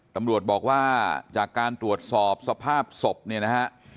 ตำรวจบอกว่าจากการตรวจสอบสภาพศพเนี่ยนะฮะ